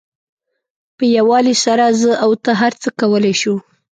په یووالي سره زه او ته هر څه کولای شو.